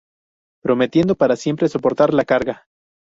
Prometiendo para siempre soportar la carga.